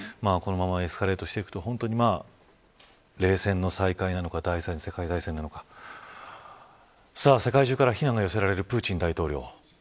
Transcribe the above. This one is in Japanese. このままエスカレートしていくと冷戦の再開なのか第３次世界大戦なのか世界中から非難が寄せられるプーチン大統領。